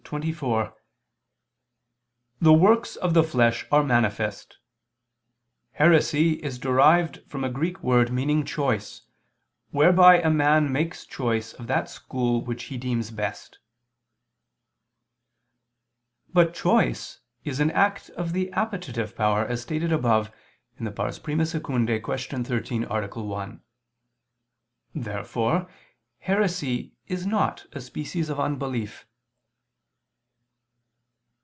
27] "The works of the flesh are manifest: Heresy is derived from a Greek word meaning choice, whereby a man makes choice of that school which he deems best." But choice is an act of the appetitive power, as stated above (I II, Q. 13, A. 1). Therefore heresy is not a species of unbelief.